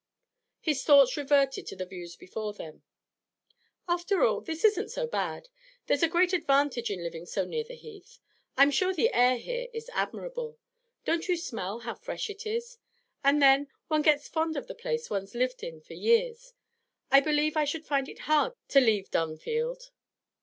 His thoughts reverted to the views before them. 'After all, this isn't so bad. There's a great advantage in living so near the Heath. I'm sure the air here is admirable; don't you smell how fresh it is? And then, one gets fond of the place one's lived in for years. I believe I should find it hard to leave Dunfield.'